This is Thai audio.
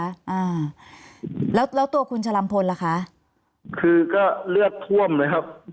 อ่าแล้วแล้วตัวคุณชะลำพลล่ะคะคือก็เลือดท่วมเลยครับ